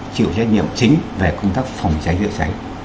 chịu trách nhiệm chính về công tác phòng cháy chữa cháy